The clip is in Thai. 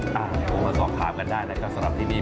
โทรมาสอบถามกันได้นะครับสำหรับที่นี่